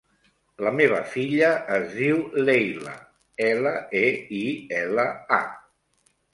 La meva filla es diu Leila: ela, e, i, ela, a.